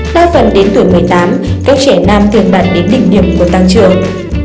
đa phần đến tuổi một mươi tám các trẻ nam thường đạt đến định điểm của tăng trưởng